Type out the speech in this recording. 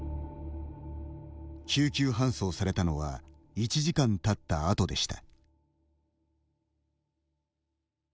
救急搬送されたのは１時間たったあとでした。